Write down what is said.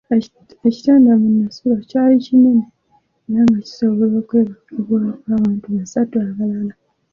Ekitanda mwe nasula kyali kinene era nga kisobola okwebakibwako abantu basatu abalala.